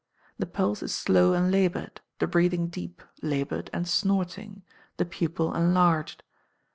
The pulse is slow and laboured; the breathing deep, laboured, and snorting; the pupil enlarged.